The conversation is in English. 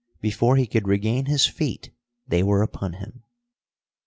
Before he could regain his feet they were upon him.